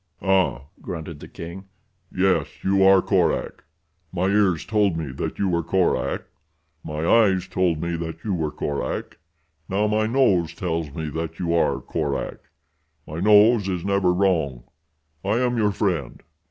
"Huh," grunted the king. "Yes, you are Korak. My ears told me that you were Korak. My eyes told me that you were Korak. Now my nose tells me that you are Korak. My nose is never wrong. I am your friend.